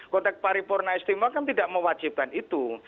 konteks paripurna istimewa kan tidak mewajibkan itu